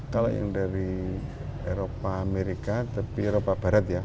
kalau yang dari eropa amerika tapi eropa barat ya